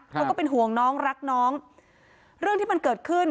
ก็เป็นห่วงน้องรักน้องเรื่องที่มันเกิดขึ้น